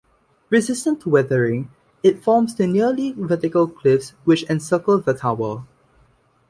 Resistant to weathering, it forms the nearly vertical cliffs which encircle the Tower.